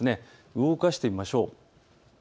動かしてみましょう。